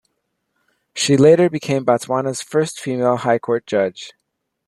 She later became Botswana's first female High Court judge.